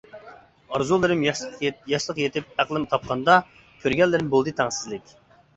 ئارزۇلىرىم ياشلىق يېتىپ ئەقلىم تاپقاندا، كۆرگەنلىرىم بولدى تەڭسىزلىك.